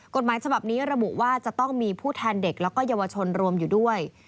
กฎหมายฉบับนี้ระบุว่าจะต้องมีผู้แทนเด็กแล้วก็เยาวชนรวมอยู่ด้วย